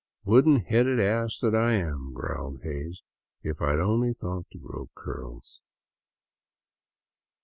" Wooden headed ass that I am !" growled Hays. '^ If I 'd only thought to grow curls